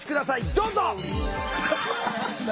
どうぞ！